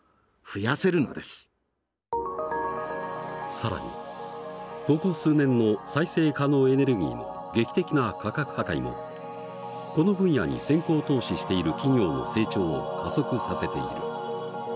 更にここ数年の再生可能エネルギーの劇的な価格破壊もこの分野に先行投資している企業の成長を加速させている。